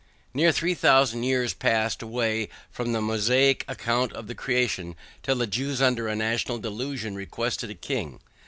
Near three thousand years passed away from the Mosaic account of the creation, till the Jews under a national delusion requested a king.